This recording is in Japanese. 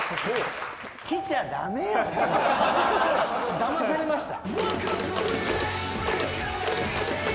だまされました？